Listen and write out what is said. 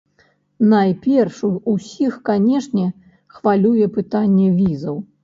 Найперш, усіх, канешне, хвалюе пытанне візаў.